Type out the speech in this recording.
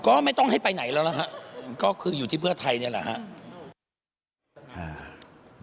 ก็ไม่ต้องให้ไปไหนแล้วนะฮะก็คืออยู่ที่เพื่อไทยนี่แหละครับ